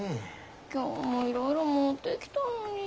今日もいろいろ持ってきたのに。